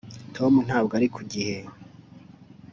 Tom ntabwo ari ku gihe